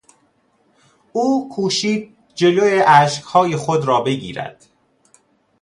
او کوشید جلو اشکهای خود را بگیرد.